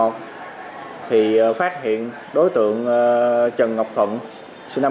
thì phát hiện đối tượng trần ngọc thuận sinh năm một nghìn chín trăm bảy mươi